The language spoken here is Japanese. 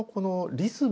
リズム？